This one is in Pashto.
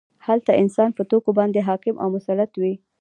هلته انسان په توکو باندې حاکم او مسلط وي